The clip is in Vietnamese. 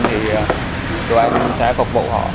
thì tụi em cũng sẽ phục vụ họ